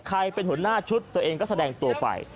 เป็นหัวหน้าชุดตัวเองก็แสดงตัวไป